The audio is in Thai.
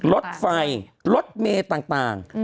ลดไฟลดเมตรต่าง